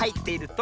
と！